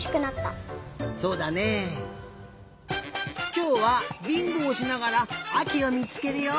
きょうはびんごをしながらあきをみつけるよ！